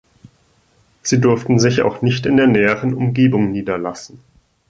Sie durften sich auch nicht in der näheren Umgebung niederlassen.